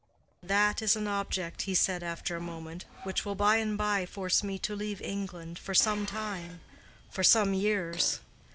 "That is an object," he said, after a moment, "which will by and by force me to leave England for some time—for some years.